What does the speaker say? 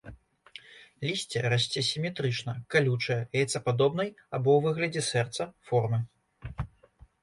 Лісце расце сіметрычна, калючае, яйцападобнай, або ў выглядзе сэрца, формы.